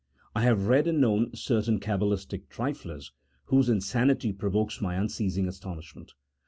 I have read and known certain Kabbalistic triflers, whose insanity provokes my unceasing astonishment.